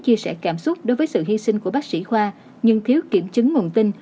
chia sẻ cảm xúc đối với sự hy sinh của bác sĩ khoa nhưng thiếu kiểm chứng nguồn tin